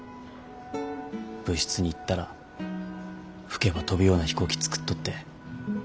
部室に行ったら吹けば飛ぶような飛行機作っとって。